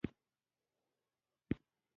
د ښه نصیحت منل عقل ښکاره کوي.